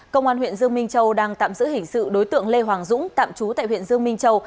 công an huyện dương minh châu đang tạm giữ hình sự đối tượng lê hoàng dũng tạm trú tại huyện dương minh châu